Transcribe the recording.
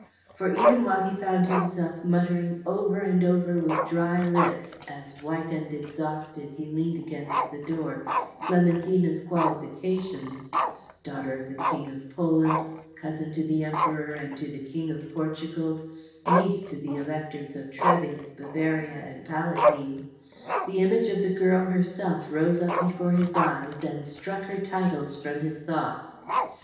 For even while he found himself muttering over and over with dry lips, as white and exhausted he leaned against the door, Clementina's qualifications, "Daughter of the King of Poland, cousin to the Emperor and to the King of Portugal, niece to the Electors of Treves, Bavaria, and Palatine," the image of the girl herself rose up before his eyes and struck her titles from his thoughts.